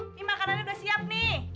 ini makanannya udah siap nih